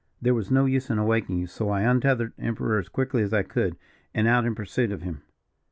There was no use in awakening you, so I untethered Emperor as quickly as I could, and out in pursuit of him.